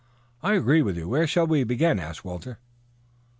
"I agree with you. Where shall we begin?" asked Walter.